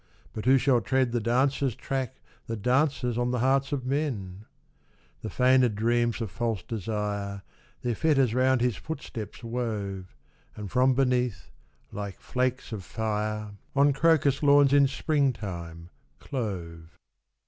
But who shall tread the dancer's track That dances on the hearts of men ? The feigned dreams of false desire Their fetters round his footsteps wove, And from beneath, like flakes of fire On crocus lawns in Spring time, clove.